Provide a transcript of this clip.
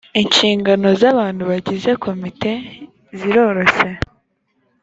inshingano z’ abandi bagize komite ziroroshye .